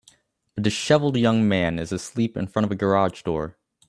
A disheveled young man is asleep in front of a garage door